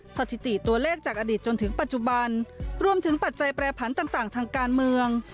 สถิติตัวเลขจากอดีตจนถึงปัจจุบันรวมถึงปัจจัยแปรผันต่างทางการเมือง